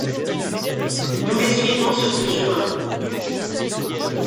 Nous les suivons sur ce chemin.